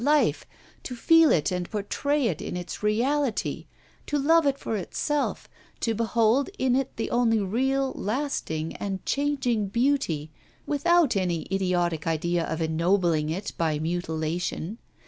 life! to feel it and portray it in its reality, to love it for itself, to behold in it the only real, lasting, and changing beauty, without any idiotic idea of ennobling it by mutilation.